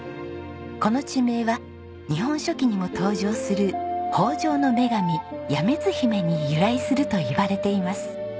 この地名は『日本書紀』にも登場する豊穣の女神八女津媛に由来するといわれています。